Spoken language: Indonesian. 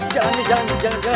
jalan nih jalan nih